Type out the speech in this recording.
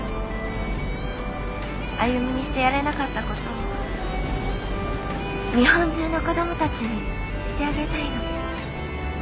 歩にしてやれなかった事を日本中の子どもたちにしてあげたいの。